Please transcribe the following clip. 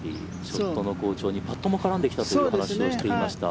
ショットの好調にパットも絡んできたという話をしていました。